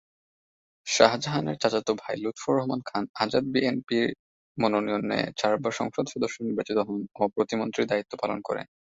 শাহজাহানের চাচাত ভাই লুৎফর রহমান খান আজাদ বিএনপির মনোনয়নে চারবার সংসদ সদস্য নির্বাচিত হন ও প্রতিমন্ত্রীর দায়িত্ব পালন করেন।